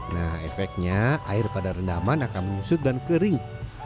nah efeknya air pada rendaman akan menyusut dan kering